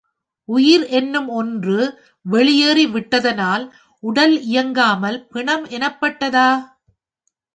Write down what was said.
உயிர் என்னும் ஒன்று வெளியேறி விட்டதனால் உடல் இயங்காமல் பிணம் எனப்பட்டதா?